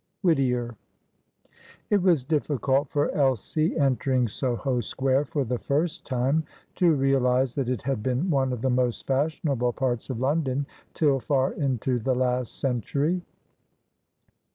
WHITTIER. It was difficult for Elsie, entering Soho Square for the first time, to realise that it had been one of the most fashionable parts of London till far into the last century.